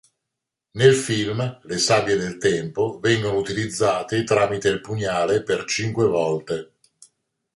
Nel film, le sabbie del tempo vengono utilizzate tramite il pugnale per cinque volte.